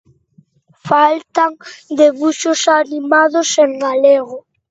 Faltan debuxos animados en galego.